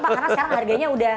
karena sekarang harganya udah